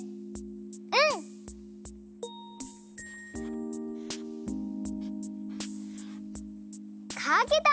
うん！かけた！